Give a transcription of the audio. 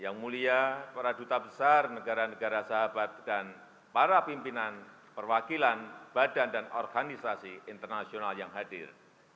yang mulia para duta besar negara negara sahabat dan para pimpinan perwakilan badan dan organisasi internasional yang hadir